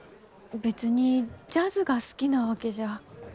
別にジャズが好きなわけじゃ。